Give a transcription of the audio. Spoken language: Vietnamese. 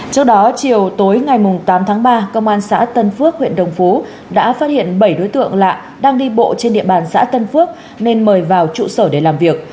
trước đó chiều tối ngày tám tháng ba công an xã tân phước huyện đồng phú đã phát hiện bảy đối tượng lạ đang đi bộ trên địa bàn xã tân phước nên mời vào trụ sở để làm việc